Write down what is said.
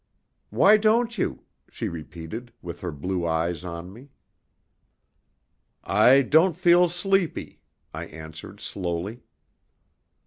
"Why don't you?" she repeated, with her blue eyes on me. "I don't feel sleepy," I answered slowly.